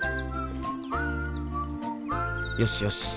よしよし